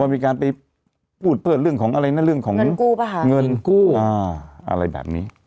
มีการไปพูดเพื่อนเรื่องของอะไรนะเรื่องของเงินกู้อะไรแบบนี้